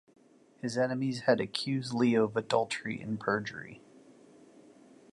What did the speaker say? His enemies had accused Leo of adultery and perjury.